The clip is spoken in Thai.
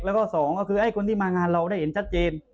แล้วก็สองก็คือไอ้คนที่มางานเราได้เห็นชัดเจน